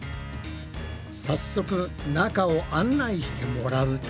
早速中を案内してもらうと。